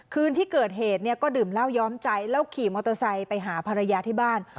คืนที่เกิดเหตุเนี่ยก็ดื่มเหล้าย้อมใจแล้วขี่มอเตอร์ไซค์ไปหาภรรยาที่บ้าน